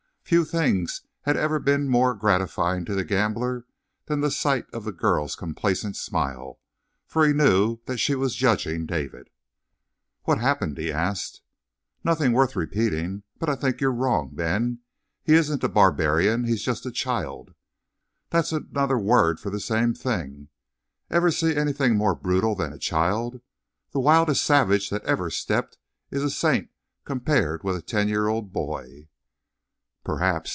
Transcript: Few things had ever been more gratifying to the gambler than the sight of the girl's complacent smile, for he knew that she was judging David. "What happened?" he asked. "Nothing worth repeating. But I think you're wrong, Ben. He isn't a barbarian. He's just a child." "That's another word for the same thing. Ever see anything more brutal than a child? The wildest savage that ever stepped is a saint compared with a ten year old boy." "Perhaps.